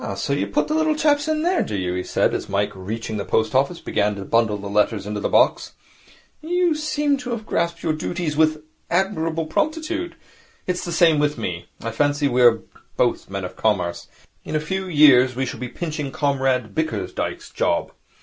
Ah, so you put the little chaps in there, do you?' he said, as Mike, reaching the post office, began to bundle the letters into the box. 'You seem to have grasped your duties with admirable promptitude. It is the same with me. I fancy we are both born men of Commerce. In a few years we shall be pinching Comrade Bickersdyke's job.